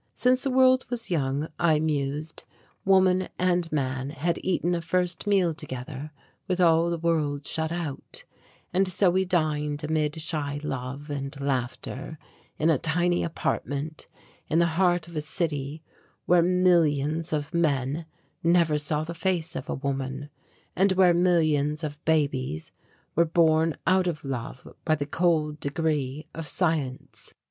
Since the world was young, I mused, woman and man had eaten a first meal together with all the world shut out, and so we dined amid shy love and laughter in a tiny apartment in the heart of a city where millions of men never saw the face of woman and where millions of babies were born out of love by the cold degree of science.